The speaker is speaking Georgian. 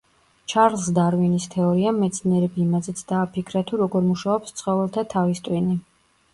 ჩარლზ დარვინის თეორიამ მეცნიერები იმაზეც დააფიქრა, თუ როგორ მუშაობს ცხოველთა თავის ტვინი.